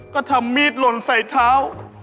ก็ทำมีดหล่นใส่เท้า